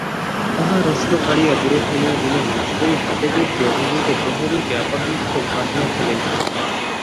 তাহার অস্ত্র কাড়িয়া দূরে ফেলিয়া দিলেন ও সেই হতবুদ্ধি অভিভূত প্রহরীকে আপাদমস্তক বাঁধিয়া ফেলিলেন।